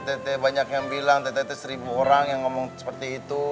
tt banyak yang bilang ttt seribu orang yang ngomong seperti itu